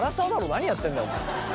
何やってんだよお前。